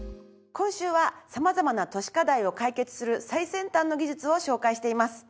今週は様々な都市課題を解決する最先端の技術を紹介しています。